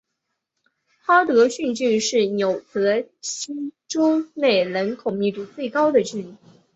哈德逊郡是纽泽西州内人口密度最高的郡。